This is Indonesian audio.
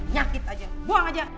nyakit aja buang aja